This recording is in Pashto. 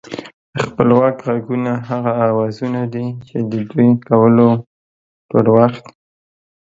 خپلواک غږونه هغه اوازونه دي چې د دوی کولو پر وخت